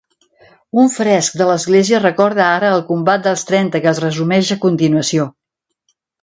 Un fresc de l'església recorda ara el Combat dels Trenta que es resumeix a continuació.